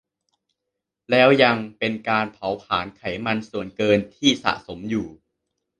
แล้วยังเป็นการเผาผลาญไขมันส่วนเกินที่สะสมอยู่